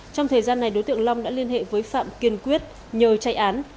trong thời gian này đối tượng long đã liên hệ với phạm kiên quyết nhờ chạy án